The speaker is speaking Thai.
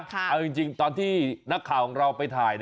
เอาจริงตอนที่นักข่าวของเราไปถ่าย